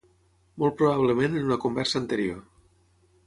Molt probablement en una conversa anterior.